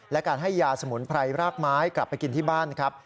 และการให้ยาสมุนไพรรากไม้กลับไปกินที่บ้านครับ